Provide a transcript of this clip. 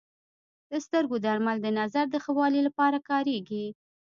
د سترګو درمل د نظر د ښه والي لپاره کارېږي.